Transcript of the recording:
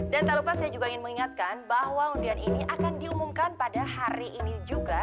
dan tak lupa saya juga ingin mengingatkan bahwa undian ini akan diumumkan pada hari ini juga